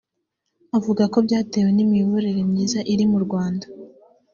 avuga ko byatewe n’imiyoborere myiza iri mu Rwanda